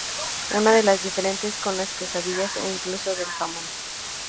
Una de las diferencias con las quesadillas es la inclusión de jamón.